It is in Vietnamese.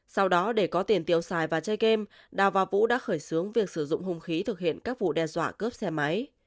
sau đó để có tiền tiêu xài và chơi game đào và vũ đã khởi xướng việc sử dụng hùng khí thực hiện các vụ đe dọa cướp xe máy